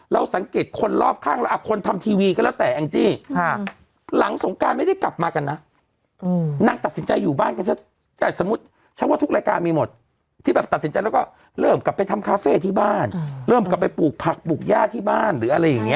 เราสังเครจคนรอบข้างเราคนทำทีวีก็แล้วแต่